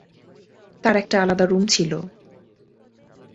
তার একটা আলাদা রুম ছিল।